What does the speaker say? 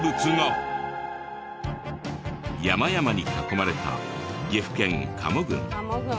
山々に囲まれた岐阜県加茂郡。